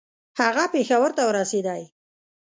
هغه پېښور ته ورسېدی.